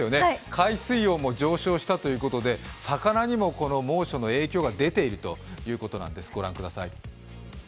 海水温も上昇したということで魚にも猛暑の影響が出ているということなんです、ご覧ください。